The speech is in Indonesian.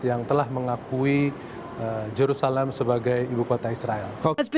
yang telah mengakui jerusalem sebagai ibu kota israel